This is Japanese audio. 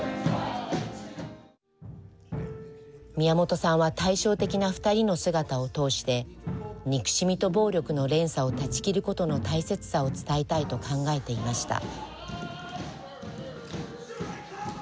宮本さんは対照的な２人の姿を通して憎しみと暴力の連鎖を断ち切ることの大切さを伝えたいと考えていました。